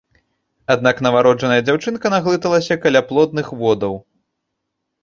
Аднак нованароджаная дзяўчынка наглыталася каляплодных водаў.